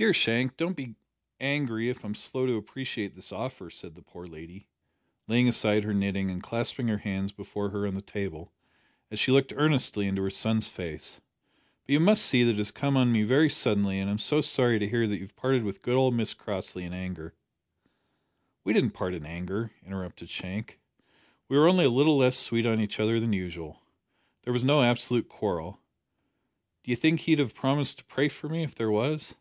"Dear Shank, don't be angry if I am slow to appreciate this offer," said the poor lady, laying aside her knitting and clasping her hands before her on the table, as she looked earnestly into her son's face, "but you must see that it has come on me very suddenly, and I'm so sorry to hear that you have parted with good old Mr Crossley in anger " "We didn't part in anger," interrupted Shank. "We were only a little less sweet on each other than usual. There was no absolute quarrel. D'you think he'd have promised to pray for me if there was?"